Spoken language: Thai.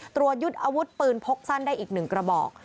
ตรวจยึดอาวุธปืนพกสั้นได้อีก๑กระบอก